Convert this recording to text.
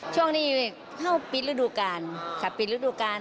ช่วงนี้เข้าปิดฤดูกาลค่ะปิดฤดูกาล